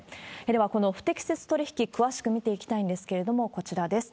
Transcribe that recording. では、この不適切取り引き、詳しく見ていきたいんですけれども、こちらです。